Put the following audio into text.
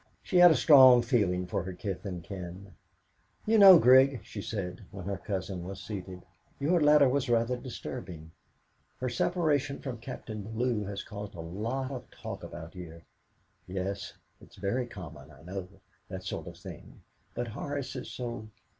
she had a strong feeling for her kith and kin. "You know, Grig," she said, when her cousin was seated, "your letter was rather disturbing. Her separation from Captain Bellew has caused such a lot of talk about here. Yes; it's very common, I know, that sort of thing, but Horace is so